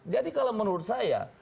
jadi kalau menurut saya